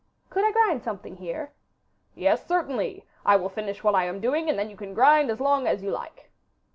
'Could I grind something here?' 'Yes, certainly! I will finish what I am doing and then you can grind as long as you like.